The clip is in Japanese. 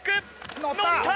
乗った！